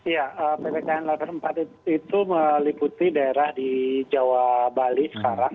ya ppkm level empat itu meliputi daerah di jawa bali sekarang